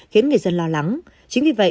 khiến người dân lo lắng chính vì vậy